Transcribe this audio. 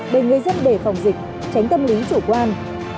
để người dân đề phòng dịch tránh tâm lý chủ quan